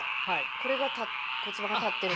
これが骨盤が立ってる？